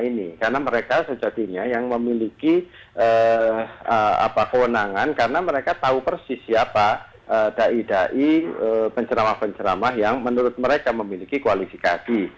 ini karena mereka sejatinya yang memiliki kewenangan karena mereka tahu persis siapa dai ⁇ dai ⁇ penceramah penceramah yang menurut mereka memiliki koalisi kaki